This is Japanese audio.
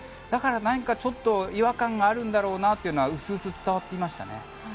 だから、何かちょっと違和感があるんだろうなというのは薄々、伝わっていました。